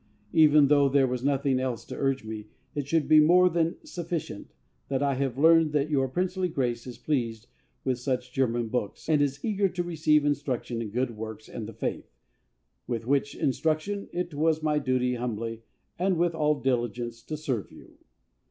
Even though there were nothing else to urge me, it should be more than sufficient that I have learned that your princely Grace is pleased with such German books and is eager to receive instruction in Good Works and the Faith, with which instruction it was my duty, humbly and with all diligence to serve you.